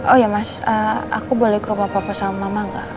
oh iya mas aku boleh ke rumah papa sama mama gak